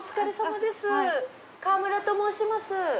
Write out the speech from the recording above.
川村と申します。